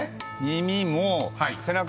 耳も背中も。